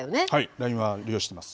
ＬＩＮＥは利用してます。